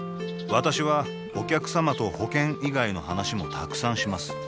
私はお客様と保険以外の話もたくさんします